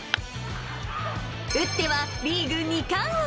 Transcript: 打ってはリーグ二冠王。